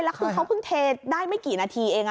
แล้วคือเขาเพิ่งเทได้ไม่กี่นาทีเอง